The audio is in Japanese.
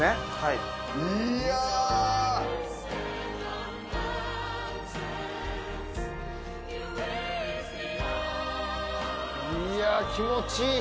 いや気持ちいい。